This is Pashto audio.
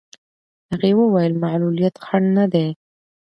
هغې وویل معلولیت خنډ نه دی.